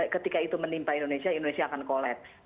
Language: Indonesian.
ketika itu menimpa indonesia indonesia akan collaps